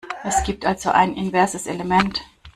Es gibt also ein inverses Element.